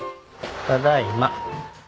ただいま。